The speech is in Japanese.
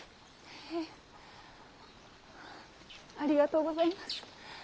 へぇありがとうございます！